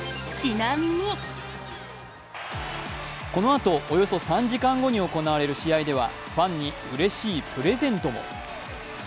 このあと、およそ３時間後に行われる試合ではファンにうれしいプレゼントも。